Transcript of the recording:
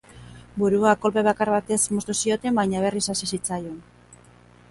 Burua kolpe bakar batez moztu zioten baina berriz hazi zitzaion.